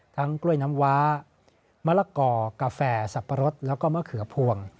กล้วยน้ำว้ามะละกอกาแฟสับปะรดแล้วก็มะเขือพวง